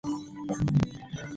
এলি কখনোই ওখানে না যেতে বলেছিল।